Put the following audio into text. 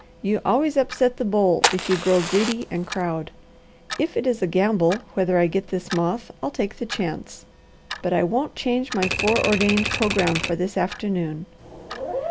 You always upset the bowl if you grow greedy and crowd. If it is a gamble whether I get this moth, I'll take the chance; but I won't change my foreordained programme for this afternoon.